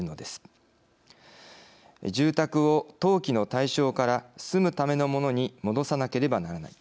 住宅を投機の対象から住むためのものに戻さなければならない。